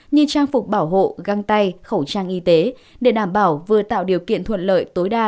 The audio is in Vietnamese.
như trang phục bảo hộ găng tay khẩu trang y tế để đảm bảo vừa tạo điều kiện thuận lợi tối đa